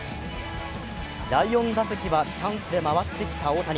第４打席はチャンスで回ってきた大谷。